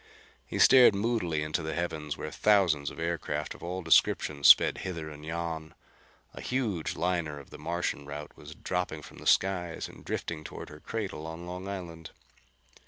He stared moodily into the heavens where thousands of aircraft of all descriptions sped hither and yon. A huge liner of the Martian route was dropping from the skies and drifting toward her cradle on Long Island.